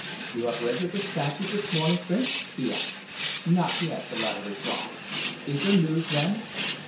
"You have read your dispatches this morning, Prince?" he asked. "Not yet," the latter replied. "Is there news, then?"